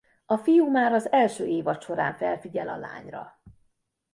A fiú már az első évad során felfigyel a lányra.